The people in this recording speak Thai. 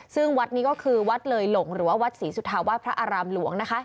ซึ่งวัดนี้ก็คือวัดเลยหลงหรือว่าวัดศรีสุธาวาสพระอารามหลวง